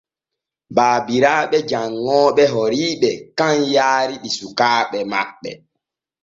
Baabiraaɓe janŋooɓe horiiɓe kan yaari ɗi sukaaɓe maɓɓe.